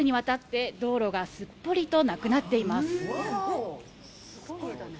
この先、３００メートルにわたって道路がすっぽりとなくなっています。